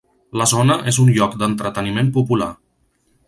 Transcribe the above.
La zona és un lloc d'entreteniment popular.